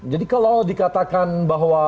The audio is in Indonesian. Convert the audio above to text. jadi kalau dikatakan bahwa